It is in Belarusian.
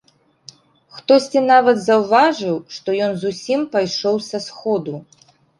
Хтосьці нават заўважыў, што ён зусім пайшоў са сходу.